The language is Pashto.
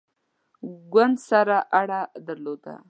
ګوند سره اړه درلوده.